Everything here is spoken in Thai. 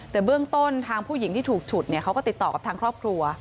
แต่เบื้องต้นทางผู้หญิงที่ถูกฉุดเขาก็ติดต่อกับทางครอบครัว